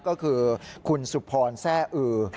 ก็คือคุณสุพรแซ่อือ